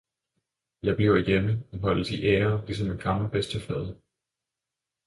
Jeg bliver hjemme og holdes i ære ligesom en gammel bedstefader!